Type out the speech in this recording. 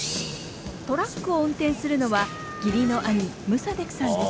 トラックを運転するのは義理の兄ムサデクさんです。